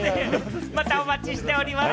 またお待ちしております。